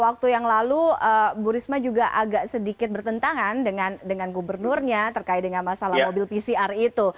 waktu yang lalu bu risma juga agak sedikit bertentangan dengan gubernurnya terkait dengan masalah mobil pcr itu